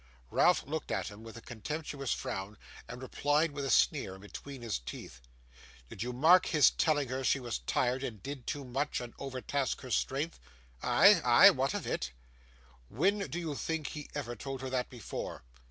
Ralph looked at him with a contemptuous frown, and replied with a sneer, and between his teeth: 'Did you mark his telling her she was tired and did too much, and overtasked her strength?' 'Ay, ay. What of it?' 'When do you think he ever told her that before?